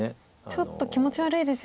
ちょっと気持ち悪いですよね。